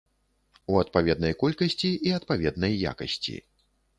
У адпаведнай колькасці і адпаведнай якасці.